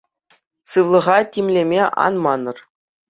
Сывлӑха тимлеме ан манӑр.